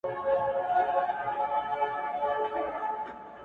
• له آمو تر ګل سرخه هر لوېشت مي شالمار کې -